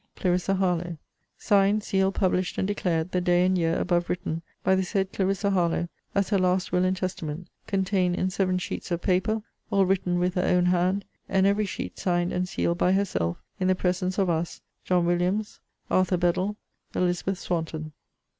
CLARISSA HARLOWE. Signed, sealed, published, and declared, the day and year above written, by the said Clarissa Harlowe, as her last will and testament; contained in seven sheets of paper, all written with her own hand, and every sheet signed and sealed by herself, in the presence of us, John Williams, Arthur Bedall, Elizabeth Swanton.